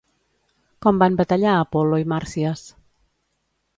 Com van batallar Apol·lo i Màrsies?